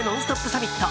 サミット。